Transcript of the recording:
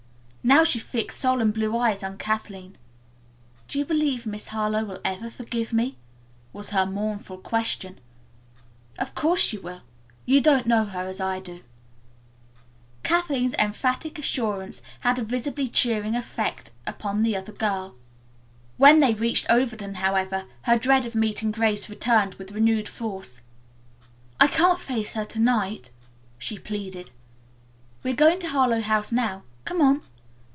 Now she fixed solemn blue eyes on Kathleen. "Do you believe Miss Harlowe will ever forgive me?" was her mournful question. "Of course she will. You don't know her as I do." Kathleen's emphatic assurance had a visibly cheering effect upon the other girl. When they reached Overton, however, her dread of meeting Grace returned with renewed force. "I can't face her to night," she pleaded. "We are going to Harlowe House now. Come on."